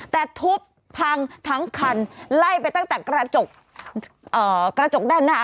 แต่ทุบพังทั้งคันไล่ไปตั้งแต่กระจกด้านหน้า